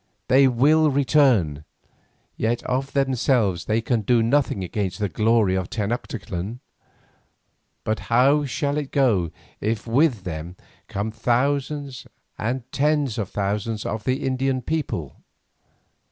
They will return, yet of themselves they can do nothing against the glory of Tenoctitlan. But how shall it go if with them come thousands and tens of thousands of the Indian peoples?